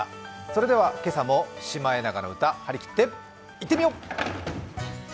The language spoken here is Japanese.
それでは今朝も「シマエナガの歌」張り切っていってみよう！